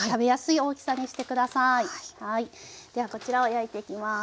ではこちらを焼いていきます。